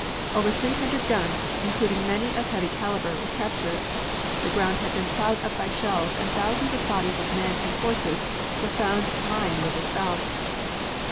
Over three hundred guns, including many of heavy caliber, were captured. The ground had been plowed up by shells and thousands of bodies of men and horses were found lying where they fell.